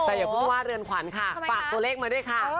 แต่อย่าเพิ่งว่าเรือนขวัญค่ะฝากตัวเลขมาด้วยค่ะ